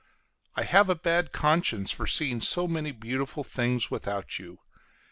I have a bad conscience for seeing so many beautiful things without you.